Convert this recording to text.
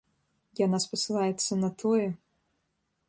Яна спасылаецца на тое,.